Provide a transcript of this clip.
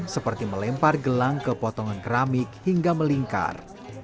seperti melempar gelang ke potongan keramik hingga melingkar